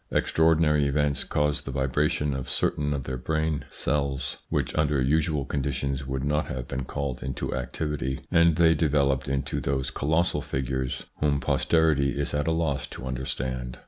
Extraordinary events caused the vibration of certain of their brain cells which under usual conditions would not have been called into activity, and they developed into those colossal figures, whom posterity is at a loss to understand.